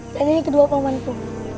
dan ini kedua pamaniku